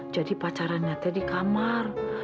jadi pacarannya di kamar